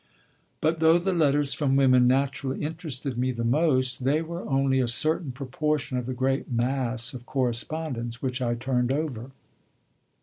But, though the letters from women naturally interested me the most, they were only a certain proportion of the great mass of correspondence which I turned over.